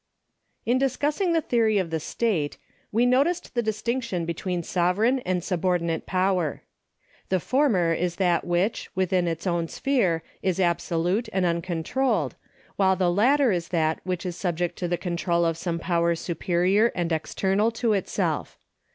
In discussing the theory of the state, we noticed the distinction between sovereign and subordinate power. ^ The former is that which, within its own sphere, is absolute and uncontrolled, while the latter is that which is subject to the control of some power superior and external to itself.